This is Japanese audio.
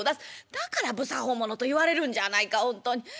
だから不作法者と言われるんじゃないかほんとに。